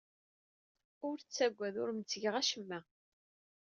Ur ttagad. Ur am-ttgeɣ acemma.